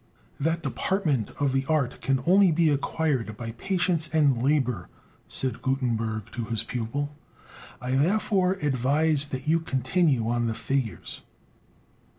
"That department of the art can only be acquired by patience and labor," said Gutenberg to his pupil. "I therefore advise that you continue on the figures."